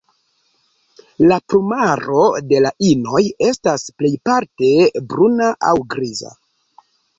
La plumaro de la inoj estas plejparte bruna aŭ griza.